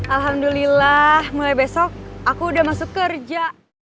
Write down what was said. alhamdulillah mulai besok aku udah masuk kerja